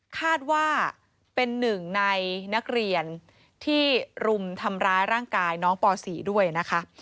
คาดว่าเป็นหนึ่งในนักเรียนที่รุมทำร้ายร่างกายน้องป๔ด้วยนะคะ